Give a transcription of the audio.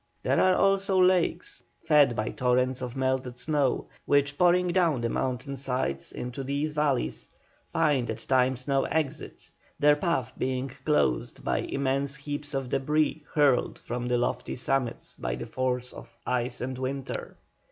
There are also lakes fed by torrents of melted snow which, pouring down the mountain sides into these valleys, find at times no exit, their path being closed by immense heaps of débris hurled from the lofty summits by the force of ice and water.